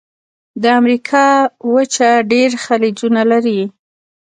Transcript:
د امریکا وچه ډېر خلیجونه لري.